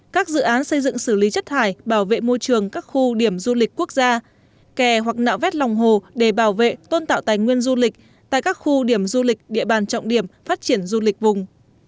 các dự án xây dựng xử lý chất thải bảo vệ môi trường các khu điểm du lịch quốc gia kè hoặc nạo vét lòng hồ để bảo vệ tôn tạo tài nguyên du lịch tại các khu điểm du lịch địa bàn trọng điểm phát triển du lịch vùng